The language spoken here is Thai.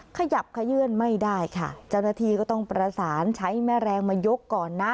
ขยับขยื่นไม่ได้ค่ะเจ้าหน้าที่ก็ต้องประสานใช้แม่แรงมายกก่อนนะ